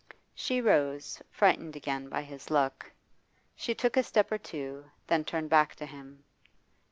She rose, frightened again by his look. She took a step or two, then turned back to him.